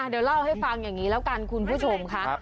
เดี๋ยวเล่าให้ฟังอย่างนี้แล้วกันคุณผู้ชมค่ะ